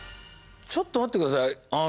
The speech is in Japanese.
ちょっと待って下さい。